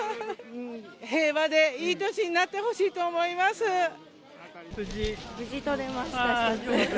平和でいい年になってほしいと思無事取れました。